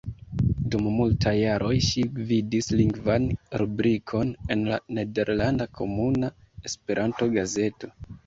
Dum multaj jaroj ŝi gvidis lingvan rubrikon en la nederlanda Komuna Esperanto-gazeto.